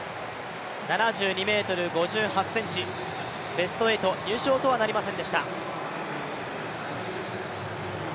７２ｍ５８ｃｍ、ベスト８、入賞とはなりませんでした。